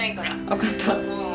分かった。